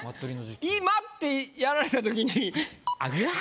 「いま」ってやられたときにうわ！